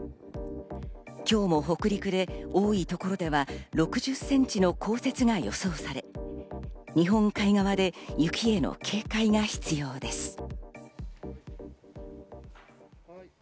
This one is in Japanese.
今日も北陸で多いところでは６０ｃｍの降雪が予想され、日本海側で雪への警戒が必要です。